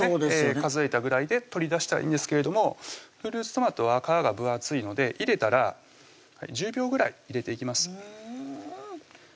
数えたぐらいで取り出したらいいんですけどもフルーツトマトは皮が分厚いので入れたら１０秒ぐらい入れていきます